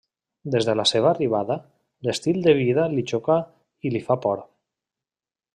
Des de la seva arribada, l'estil de vida li xoca i li fa por.